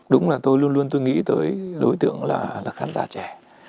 đúng là tôi luôn luôn tôi nghĩ tới đối tượng là khán giả trẻ